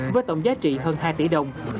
với tổng giá trị hơn hai tỷ đồng